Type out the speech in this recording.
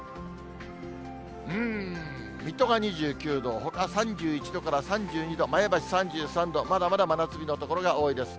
うーん、水戸が２９度、ほか３１度から３２度、前橋３３度、まだまだ真夏日の所が多いです。